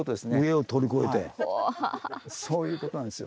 はいそういうことなんですよ。